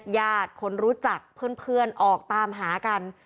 ญาติคนรู้จักเพื่อนออกตามหากัน